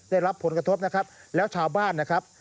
ได้รับผลกระทบนะครับแล้วชาวบ้านนะครับ